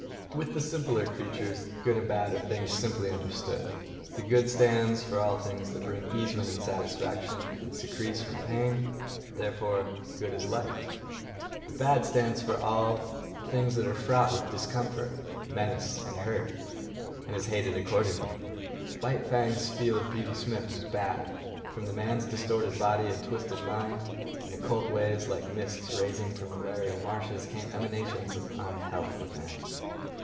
With the simpler creatures, good and bad are things simply understood. The good stands for all things that bring easement and satisfaction and surcease from pain. Therefore, the good is liked. The bad stands for all things that are fraught with discomfort, menace, and hurt, and is hated accordingly. White Fang's feel of Beauty Smith was bad. From the man's distorted body and twisted mind, in occult ways, like mists rising from malarial marshes, came emanations of the unhealth within.